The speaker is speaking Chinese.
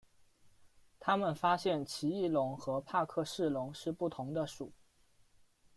他们发现奇异龙与帕克氏龙是不同的属。